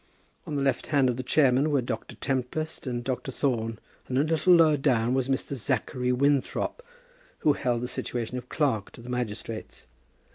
On the left hand of the chairman were Dr. Tempest and Dr. Thorne, and a little lower down was Mr. Zachary Winthrop, who held the situation of clerk to the magistrates.